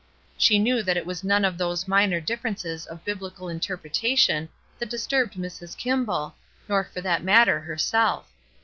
She knew that it was none of those minor differences of Biblical interpretation that disturbed Mrs. Kimball, nor for that matter herself.